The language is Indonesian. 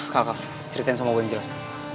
kakak ceritain sama gue yang jelas